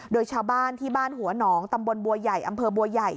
โดยชาวบ้านที่บ้านหัวหนองตำบลบัวใหญ่อำเภอบัวใหญ่